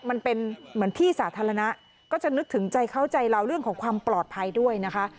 มันเป็นเหมือนที่สาธารณะก็จะนึกถึงใจเข้าใจเราเรื่องของความปลอดภัยด้วยนะคะ